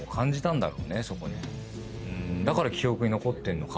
だから記憶に残ってんのかも。